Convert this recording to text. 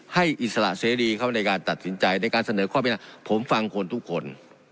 ให้อิสระเศรษฐีเข้าในการตัดสินใจในการเสนอข้อมูลผมฟังควรทุกคน